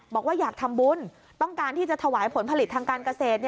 บอกว่าอยากทำบุญต้องการที่จะถวายผลผลิตทางการเกษตร